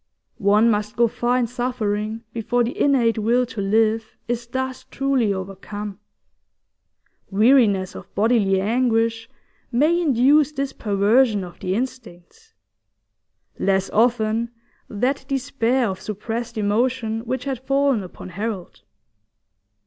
One must go far in suffering before the innate will to live is thus truly overcome; weariness of bodily anguish may induce this perversion of the instincts; less often, that despair of suppressed emotion which had fallen upon Harold.